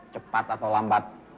cepat atau lambat